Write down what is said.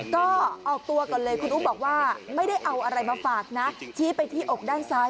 ก็ออกตัวก่อนเลยคุณอุ๊บบอกว่าไม่ได้เอาอะไรมาฝากนะชี้ไปที่อกด้านซ้าย